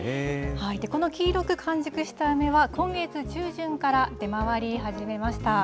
この黄色く完熟した梅は、今月中旬から出回り始めました。